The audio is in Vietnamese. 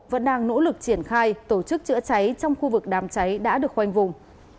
vẫn đang nỗ lực triển khai tổ chức chữa cháy trong khu vực đám cháy đã được khoanh vùng